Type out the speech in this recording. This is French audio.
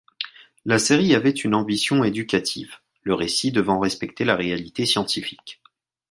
La série avait une ambition éducative, le récit devant respecter la réalité scientifique.